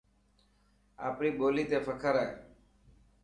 آپري ٻولي تي فخر هي.